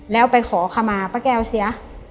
แล้วไปขอขมาป้าแก้วเสีย